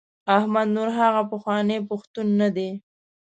احمد نور هغه پخوانی پښتون نه دی.